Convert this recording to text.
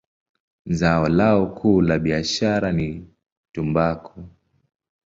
Zao lao kuu la biashara ni tumbaku.